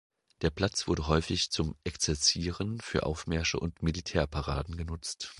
Der Platz wurde häufig zum Exerzieren, für Aufmärsche und Militärparaden genutzt.